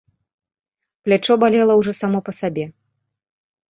Плячо балела ўжо само па сабе.